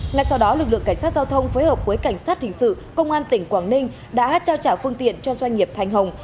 ngay sau đó lực lượng cảnh sát giao thông phối hợp với cảnh sát hình sự công an tỉnh quảng ninh đã trao trả phương tiện cho doanh nghiệp thành hồng